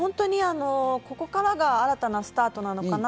ここからが新たなスタートなのかな。